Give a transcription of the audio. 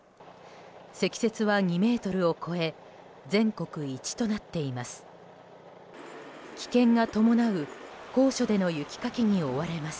積雪は２ｍを超え全国一となっています。